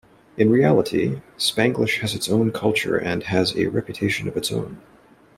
In reality, Spanglish has its own culture and has a reputation of its own.